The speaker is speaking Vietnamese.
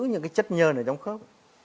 những cái chất nhờn ở trong khớp